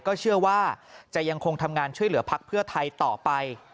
ก็เชื่อว่าจะยังคงทำงานช่วยเหลือพักเพื่อไทยต่อไป